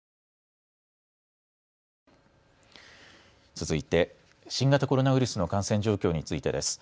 続いて新型コロナウイルスの感染状況についてです。